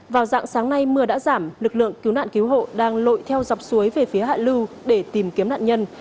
vào dạng sáng nay mưa đã giảm lực lượng cứu nạn cứu hộ đang lội theo dọc suối về phía hạ lưu để tìm kiếm nạn nhân